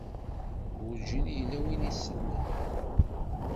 Werǧin yella win isellen.